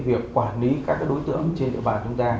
việc quản lý các đối tượng trên địa bàn chúng ta